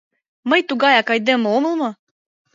Мый тугаяк айдеме омыл мо?